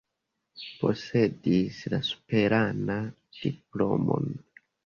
Posedis la superan diplomon.